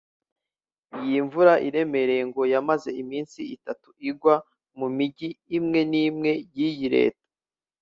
Iyi mvura iremereye ngo yamaze iminsi itatu igwa mu Mijyi imwe n’imwe y’iyi Leta